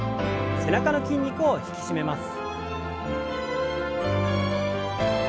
背中の筋肉を引き締めます。